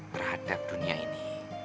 terhadap dunia ini